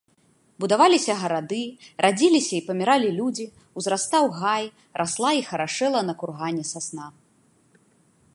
Будаваліся гарады, радзіліся і паміралі людзі, узрастаў гай, расла і харашэла на кургане сасна.